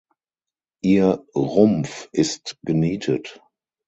Ihr Rumpf ist genietet.